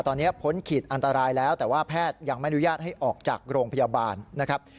ตอนนี้พ้นขีดอันตรายแล้วแต่ว่าแพทย์ยังไม่อนุญาตให้ออกจากโรงพยาบาลนะครับ